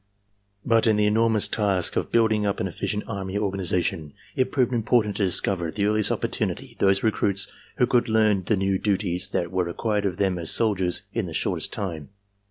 "But in the enormous task of building up an efficient army organization it proved important to discover at the earliest opportunity those recruits who could learn the new duties that were required of them as soldiers in the shortest time.